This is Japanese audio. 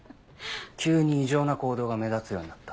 急に異常な行動が目立つようになった。